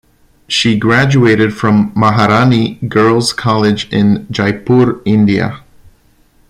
She graduated from Maharani Girls college in Jaipur, India.